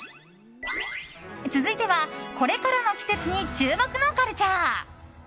続いては、これからの季節に注目のカルチャー。